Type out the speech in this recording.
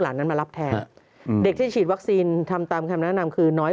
นั้นมารับแทนเด็กที่ฉีดวัคซีนทำตามคำแนะนำคือน้อย